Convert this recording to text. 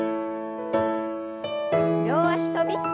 両脚跳び。